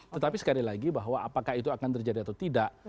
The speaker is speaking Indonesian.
tetapi sekali lagi bahwa apakah itu akan terjadi atau tidak